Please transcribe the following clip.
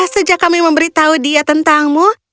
sejak kami memberitahu dia tentangmu